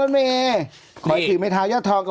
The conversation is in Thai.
มันยินใจเบาเข้าบ้างหรอ